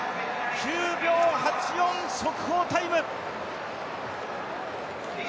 ９秒８４、速報タイム。